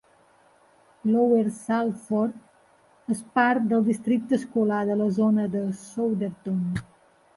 Lower Salford és part del districte escolar de la zona de Souderton.